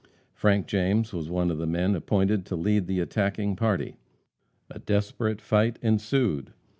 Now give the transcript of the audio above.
Frank James was one of the men appointed to lead the attacking party. A desperate fight ensued.